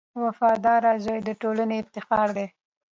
• وفادار زوی د ټولنې افتخار دی.